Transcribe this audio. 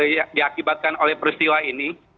yang diakibatkan oleh prinsipi